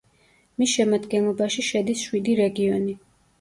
მის შემადგენლობაში შედის შვიდი რეგიონი.